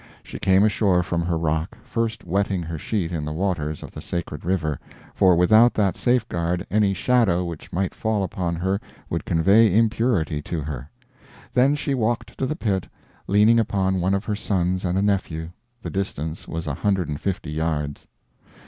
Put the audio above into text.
She came ashore from her rock, first wetting her sheet in the waters of the sacred river, for without that safeguard any shadow which might fall upon her would convey impurity to her; then she walked to the pit, leaning upon one of her sons and a nephew the distance was a hundred and fifty yards.